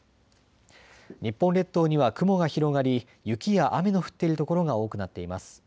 日本列島には雲が広がり雪や雨の降っている所が多くなっています。